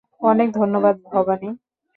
অনেক ধন্যবাদ, ভবানী।